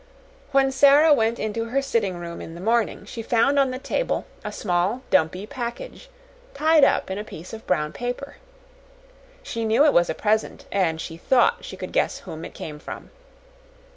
When Sara went into her sitting room in the morning, she found on the table a small, dumpy package, tied up in a piece of brown paper. She knew it was a present, and she thought she could guess whom it came from.